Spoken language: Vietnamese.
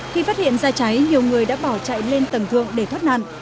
khi phát hiện ra cháy nhiều người đã bỏ chạy lên tầng thượng để thoát nạn